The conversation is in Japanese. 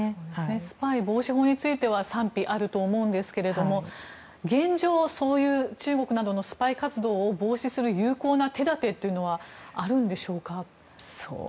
スパイ防止法については賛否あると思いますが現状、中国などのスパイ活動を防止する有効な手立てはあるんでしょうか。